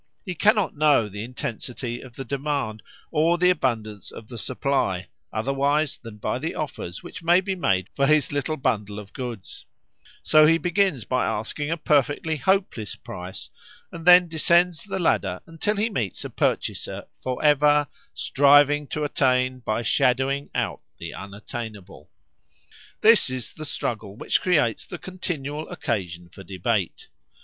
He cannot know the intensity of the demand, or the abundance of the supply, otherwise than by the offers which may be made for his little bundle of goods; so he begins by asking a perfectly hopeless price, and then descends the ladder until he meets a purchaser, for ever "Striving to attain By shadowing out the unattainable." This is the struggle which creates the continual occasion for debate.